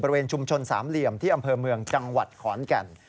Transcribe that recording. บริเวณชุมชนสามเหลี่ยมที่อำเภอเมืองจังหวัดขอนแก่น